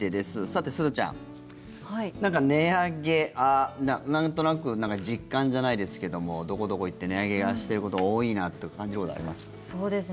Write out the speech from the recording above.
さて、すずちゃんなんか値上げなんとなく実感じゃないですけどもどこどこ行って値上げしてること多いなって感じることあります？